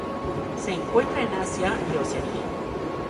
Se encuentra en Asia y Oceanía.